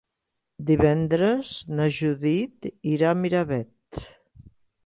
Divendres na Judit irà a Miravet.